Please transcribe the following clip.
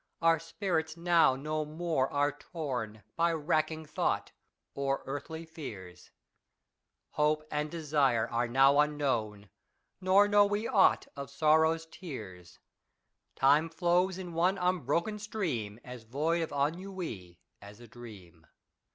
Our spirits now no more are torn By racking thought, or earthly fears ; Hope and desire are now unknown, Nor know we aught of sorrow's tears. Time flows in one unbroken stream, As void of ennui as a dream.